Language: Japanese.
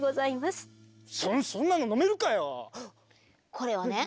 これをね